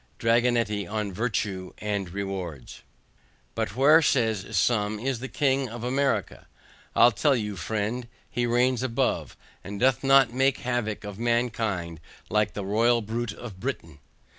"DRAGONETTI ON VIRTUE AND REWARDS." But where says some is the King of America? I'll tell you Friend, he reigns above, and doth not make havoc of mankind like the Royal Brute of Britain.